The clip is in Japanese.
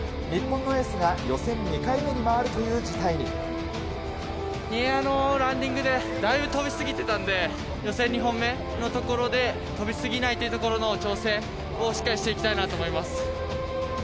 日本のエースが予選２回目に回るエアのランディングで、だいぶ飛び過ぎてたんで、予選２本目のところで、飛び過ぎないというところの調整をしっかりしていきたいなと思い